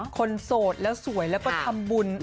โสดแล้วสวยแล้วก็ทำบุญ